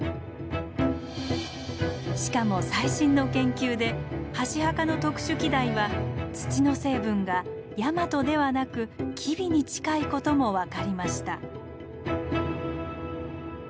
しかも最新の研究で箸墓の特殊器台は土の成分がヤマトではなく吉備に近いことも分かりました。